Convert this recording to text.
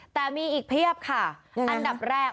แต่มีอีกเพียบค่ะอันดับแรก